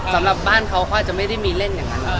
สำหรับบ้านเขาเขาอาจจะไม่ได้มีเล่นอย่างนั้น